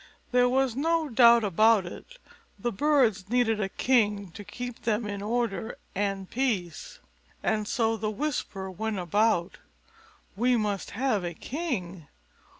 There was no doubt about it; the birds needed a king to keep them in order and peace. So the whisper went about, "We must have a king.